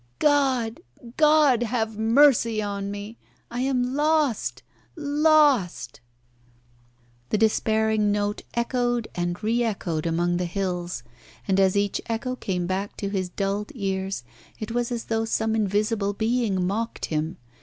"God! God have mercy on me! I am lost lost!" The despairing note echoed and re echoed among the hills. And as each echo came back to his dulled ears it was as though some invisible being mocked him.